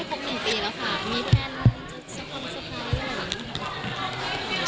มีแฟนนั้นคนสุดท้ายหรือยัง